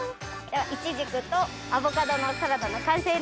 イチジクとアボカドのサラダの完成です。